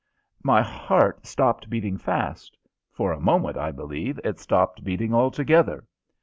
My heart stopped beating fast for a moment, I believe, it stopped beating altogether!